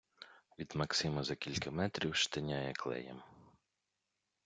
Від Максима за кілька метрів штиняє” клеєм.